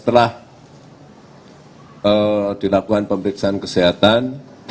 telah dilakukan pemeriksaan kesehatan